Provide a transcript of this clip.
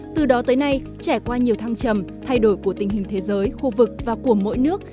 từ đó tới nay trải qua nhiều thăng trầm thay đổi của tình hình thế giới khu vực và của mỗi nước